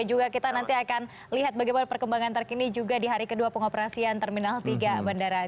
kita juga nanti akan lihat bagaimana perkembangan terkini juga di hari kedua pengoperasian terminal tiga bandara jelatina soekarno hatta